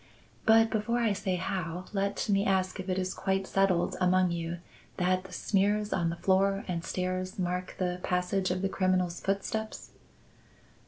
But before I say how, let me ask if it is quite settled among you that the smears on the floor and stairs mark the passage of the criminal's footsteps!"